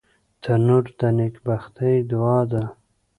تنور د نیکبختۍ دعا ده